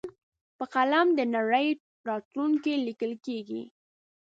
په قلم د نړۍ راتلونکی لیکل کېږي.